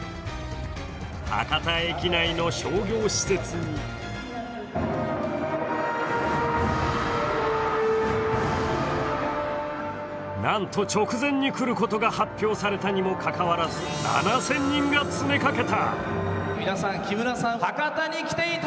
博多駅内の商業施設になんと、直前に来ることが発表されたにもかかわらず７０００人が詰めかけた。